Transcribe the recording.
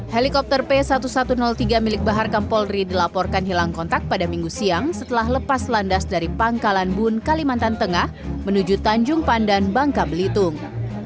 helikopter p seribu satu ratus tiga milik bahar kampolri dilaporkan hilang kontak pada minggu siang setelah lepas landas dari pangkalan bun kalimantan tengah menuju tanjung pandan bangka belitung